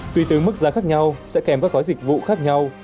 tuy tướng mức giá khác nhau sẽ kèm các gói dịch vụ khác nhau